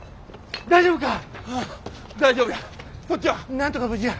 なんとか無事や。